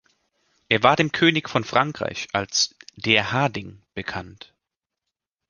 Er war dem König von Frankreich als „der Harding“ bekannt.